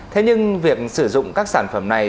thế nhưng việc sử dụng các sản phẩm này